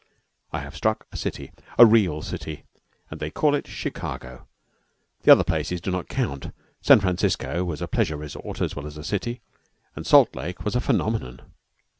I HAVE struck a city a real city and they call it Chicago. The other places do not count. San Francisco was a pleasure resort as well as a city, and Salt Lake was a phenomenon.